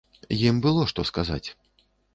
Ім было што сказаць.